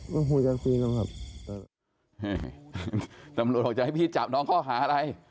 น้องหูยังพี่น้องครับน้องรอบจะให้พี่จับน้องข้อขาอะไร